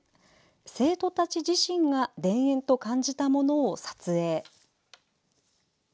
生徒たち自身が田園と感じたものを撮影。